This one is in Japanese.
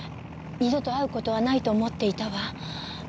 二度と会う事はないと思っていたわ。